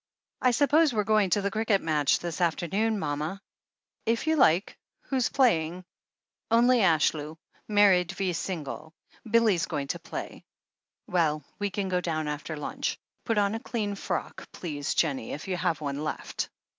"I suppose we're going to the cricket match this after noon, mama?" "If you like. Who's playing?" "Only Ashlew — Married v. Single. Billy's going to play." "Well, we can go down after lunch. Put on a clean frock, please, Jennie, if you have one left."